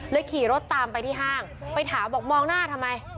ขี่รถตามไปที่ห้างไปถามบอกมองหน้าทำไม